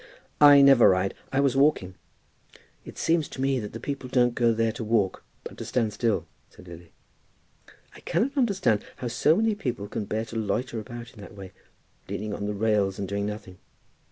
"I never ride; I was walking." "It seems to me that the people don't go there to walk, but to stand still," said Lily. "I cannot understand how so many people can bear to loiter about in that way leaning on the rails and doing nothing."